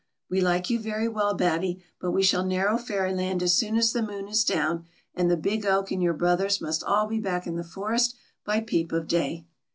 We like you very well, Batty, but we shall narrow Fair\land as soon as the moon is down, and the big oak and your brothers must all be back in the forest b} peep of da}